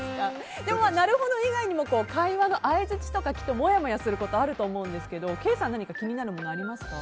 でも、なるほど以外にも会話の相づちとかもやもやすることあると思うんですけどケイさん、何か気になるものありますか？